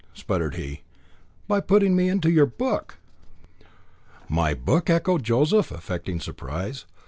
spluttered he, "by putting me into your book?" "My book!" echoed Joseph, affecting surprise.